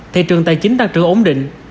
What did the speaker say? thị trường tài chính tăng trưởng ổn định